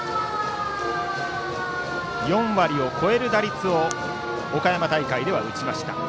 ４割を超える打率を岡山大会では打ちました。